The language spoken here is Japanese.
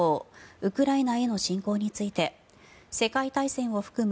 ウクライナへの侵攻について世界大戦を含む